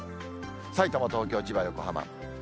さいたま、東京、千葉、横浜。